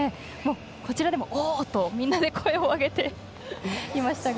こちらでもおー！とみんなで声を上げていましたが。